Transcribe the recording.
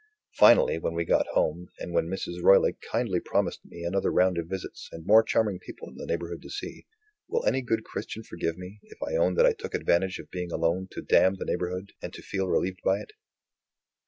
Finally, when we got home, and when Mrs. Roylake kindly promised me another round of visits, and more charming people in the neighborhood to see, will any good Christian forgive me, if I own that I took advantage of being alone to damn the neighborhood, and to feel relieved by it?